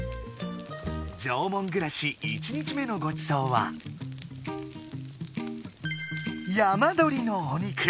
縄文ぐらし１日目のごちそうはヤマドリのお肉。